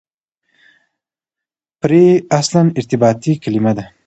پرې اصلاً ارتباطي کلیمه ده.